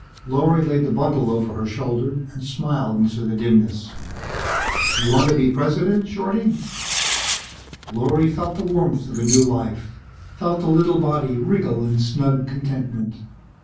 Lorry laid the bundle over her shoulder and smiled into the dimness. "You want to be president, Shorty?" Lorry felt the warmth of a new life, felt the little body wriggle in snug contentment.